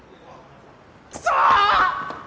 クソ！